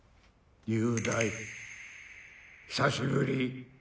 雄大ひさしぶり。